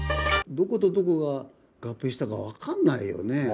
どことどこが合併したかわかんないよね。